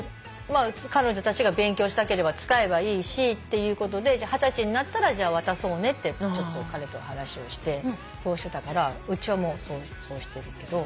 彼女たちが勉強したければ使えばいいしっていうことで二十歳になったらじゃあ渡そうねってちょっと彼と話をしてそうしてたからうちはもうそうしてるけど。